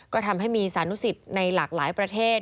ก็ทำให้มีสานุสิตในหลากหลายประเทศ